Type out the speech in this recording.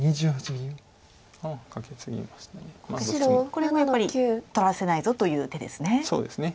これもやっぱり取らせないぞという手ですね。